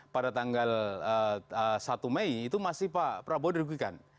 pada tanggal satu mei itu masih pak prabowo dirugikan